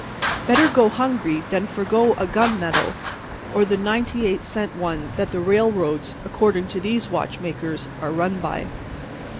Better go hungry than forego a gunmetal or the ninety eight cent one that the railroads—according to these watchmakers—are run by.